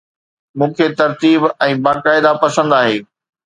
مون کي ترتيب ۽ باقاعده پسند آهي